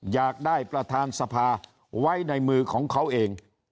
อยากได้ประธานสภาไว้ในมือของเขาเอง